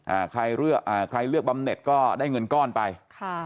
อ่าใครเลือกบำเน็ตก็ได้เงินก้อนไปค่ะ